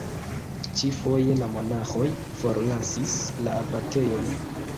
Ĉi-foje, la monaĥoj forlasis la abatejon.